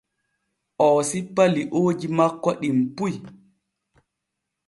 Oo sippa liooji makko ɗim puy.